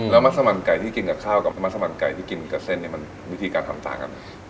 แล้วมัสมันไก่ที่กินกับข้าวกับน้ำมันสมันไก่ที่กินกับเส้นเนี่ยมันวิธีการทำต่างกัน